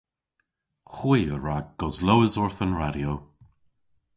Hwi a wra goslowes orth an radyo.